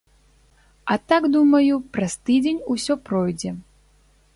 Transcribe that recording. А так, думаю, праз тыдзень усё пройдзе.